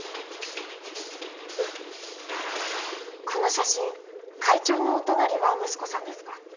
この写真会長のお隣は息子さんですか？